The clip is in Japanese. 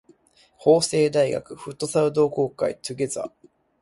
法政大学フットサル同好会 together